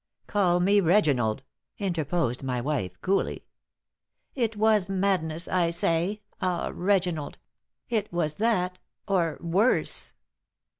"Call me Reginald," interposed my wife, coolly. "It was madness, I say ah Reginald. It was that or worse."